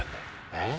えっ？